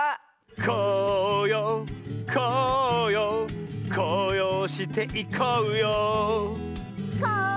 こうようこうようこうようしていこうようこう